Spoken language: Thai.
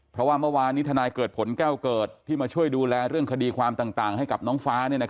เพราะว่าเมื่อวานนี้ทนายเกิดผลแก้วเกิดที่มาช่วยดูแลเรื่องคดีความต่างให้กับน้องฟ้า